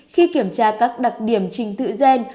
khi kiểm tra các đặc điểm trình tự gen